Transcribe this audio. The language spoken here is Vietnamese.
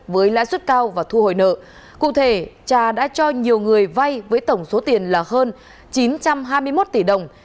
với lãi suất cao và thu hồi nợ cụ thể trà đã cho nhiều người vay với tổng số tiền là hơn chín trăm hai mươi một tỷ đồng